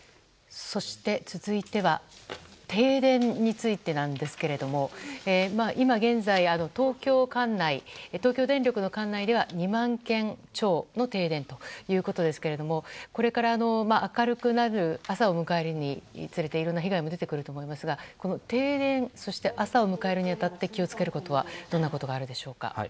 そして、続いては停電についてなんですけども今現在、東京電力の管内では２万件超の停電ということですがこれから明るくなる朝を迎えるにつれていろんな被害も出てくると思いますが停電、そして朝を迎えるにあたって気を付けるべきはどんなことでしょうか。